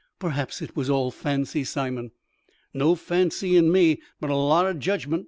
"Perhaps it was all fancy, Simon." "No fancy in me, but a lot o' judgment.